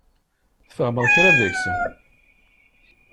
Tfehmeḍ kra deg-s?